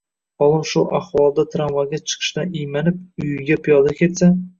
Olim shu ahvolda tramvayga chiqishdan iymanib, uyiga piyoda ketsa